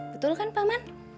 betul kan paman